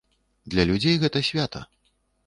Для людзей гэта свята.